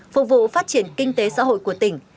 phục vụ phát triển kinh tế xã hội của tỉnh